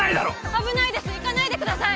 危ないです行かないでください